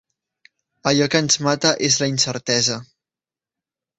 “Allò que ens mata és la incertesa”